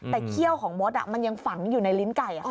แต่เขี้ยวของมดมันยังฝังอยู่ในลิ้นไก่